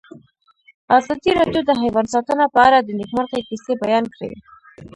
ازادي راډیو د حیوان ساتنه په اړه د نېکمرغۍ کیسې بیان کړې.